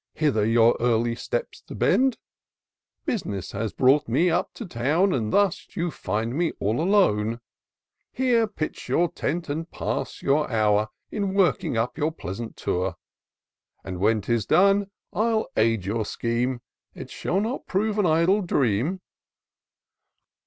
Hither your early steps to bend; Bus'ness has brought me up to town, And thus you find me all alone : Here pitch your tent and pass your hour In working up your pleasant Tour ; And, when 'tis done, I'll aid your scheme — It shall not prove an idle dream."